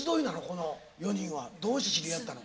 この４人は。どうして知り合ったの？